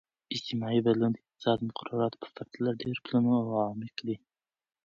اجتماعي بدلون د اقتصادي مقرراتو په پرتله ډیر پلنو او عمیق دی.